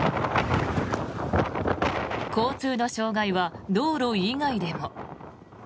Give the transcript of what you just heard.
交通の障害は道路以外でも。